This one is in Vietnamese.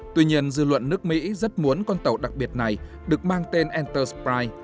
tuy nhiên dư luận nước mỹ rất muốn con tàu đặc biệt này được mang tên entersprite